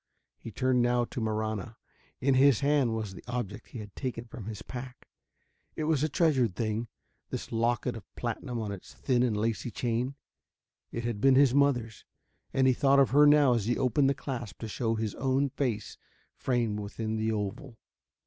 He turned now to Marahna. In his hand was the object he had taken from his pack. It was a treasured thing, this locket of platinum on its thin and lacy chain; it had been his mother's, and he thought of her now as he opened the clasp to show his own face framed within the oval.